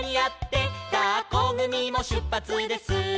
「だっこぐみもしゅっぱつです」